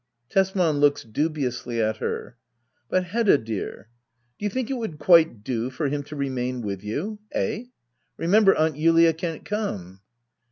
Tesman. \Looks dubiously at her.] But, Hedda dear — do you think it would quite do for him to remain with you .^ £h? Remember, Aunt Julia can't come.